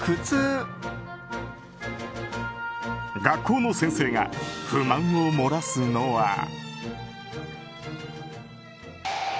学校の先生が不満を漏らすのは。